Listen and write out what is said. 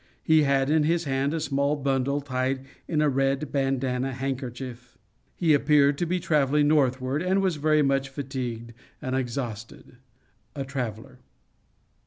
He had in his hand a small bundle tied in a red bandana handkerchief: he appeared to be traveling northward, and was very much fatigued and exhausted. A TRAVELER.